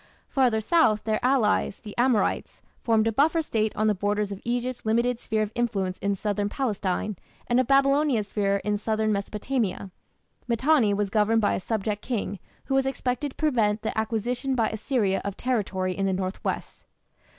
Farther south, their allies, the Amorites, formed a buffer State on the borders of Egypt's limited sphere of influence in southern Palestine, and of Babylonia's sphere in southern Mesopotamia. Mitanni was governed by a subject king who was expected to prevent the acquisition by Assyria of territory in the north west.